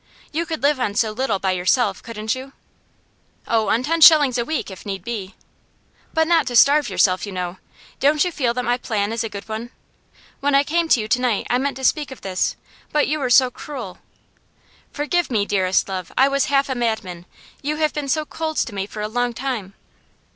You could live on so little by yourself, couldn't you?' 'Oh, on ten shillings a week, if need be.' 'But not to starve yourself, you know. Don't you feel that my plan is a good one? When I came to you to night I meant to speak of this, but you were so cruel ' 'Forgive me, dearest love! I was half a madman. You have been so cold to me for a long time.